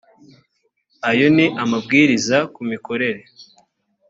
ayo ni amabwiriza ku mikorere